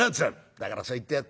「だからそう言ってやったね。